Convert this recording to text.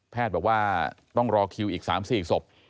บอกว่าต้องรอคิวอีก๓๔ศพ